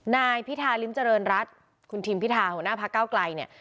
นายพิธาริมเจริญรัฐคุณทิมพิธาหัวหน้าพักเก้าไกลเนี่ย